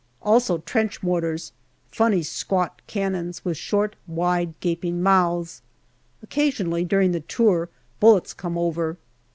Also trench mortars, funny squat cannons with short, wide, gaping mouths. Occasionally during the tour bullets come over.